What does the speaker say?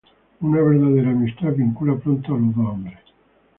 Una verdadera amistad vincula pronto a los dos hombres.